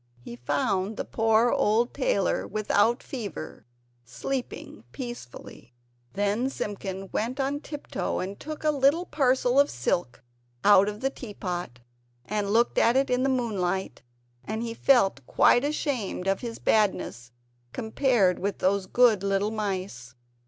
He found the poor old tailor without fever, sleeping peacefully. Then Simpkin went on tip toe and took a little parcel of silk out of the tea pot; and looked at it in the moonlight; and he felt quite ashamed of his badness compared with those good little mice!